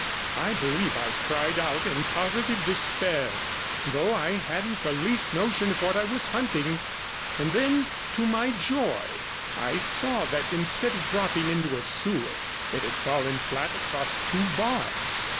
I believe I cried out in positive despair, though I hadn't the least notion what I was hunting; and then, to my joy, I saw that, instead of dropping into a sewer, it had fallen flat across two bars.